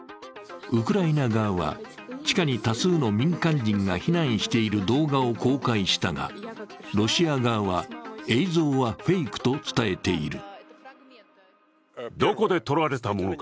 ウクライナ側は、地下に多数の民間人が避難している動画を公開したが、ロシア側は、映像はフェイクと伝えている。